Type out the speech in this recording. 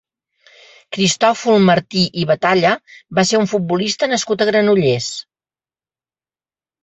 Cristòfol Martí i Batalla va ser un futbolista nascut a Granollers.